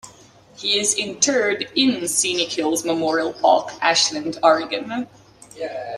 He is interred in Scenic Hills Memorial Park, Ashland, Oregon.